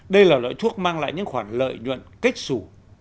đây là loại thuốc mang lại những khoản lợi nhuận kết xù